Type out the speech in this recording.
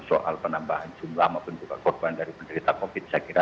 soal penambahan jumlah maupun juga korban dari penderita covid saya kira